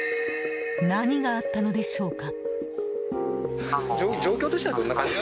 何があったのでしょうか？